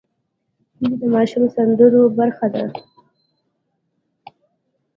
هیلۍ د ماشوم سندرو برخه ده